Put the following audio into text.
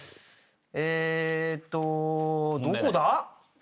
えーっとどこだ？